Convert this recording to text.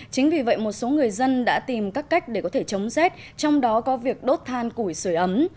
chính vì vậy một số người dân đã tìm các cách để có thể chống rét trong đó có việc đốt than củi sửa ấm